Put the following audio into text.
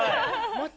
もっと。